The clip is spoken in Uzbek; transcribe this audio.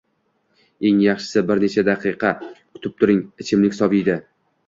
Eng yaxshisi, bir necha daqiqa kutib turing, ichimlik soviydi.